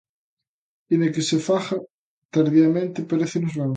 Aínda que se faga tardiamente, parécenos ben.